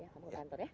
kamu ke kantor ya